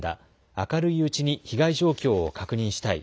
明るいうちに被害状況を確認したい。